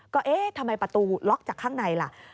ก็เอ๊ะทำไมประตูล็อกจากข้างในล่ะ